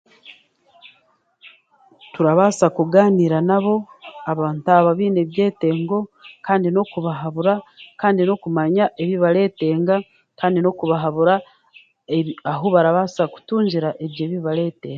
Turabaasa kugaaniira nabo abantu aba abaine ebyetengo kandi n'okumanya ebi barentenga kandi n'okubahabura ebi ahu barabaasa kutungira ebyo ebi bareetenga